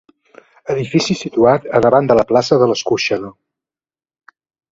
Edifici situat a davant de la plaça de l'Escorxador.